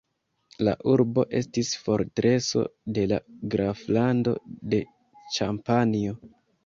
La urbo estis fortreso de la graflando de Ĉampanjo.